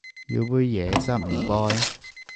要杯椰汁唔該